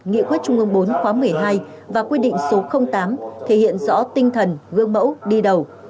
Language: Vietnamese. nghị quyết trung ương bốn khóa một mươi hai và quy định số tám thể hiện rõ tinh thần gương mẫu đi đầu